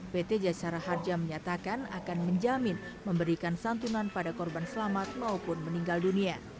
pt jasara harja menyatakan akan menjamin memberikan santunan pada korban selamat maupun meninggal dunia